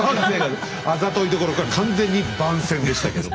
あざといどころか完全に番宣でしたけど。